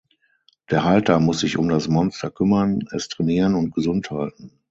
Der Halter muss sich um das Monster kümmern, es trainieren und gesund halten.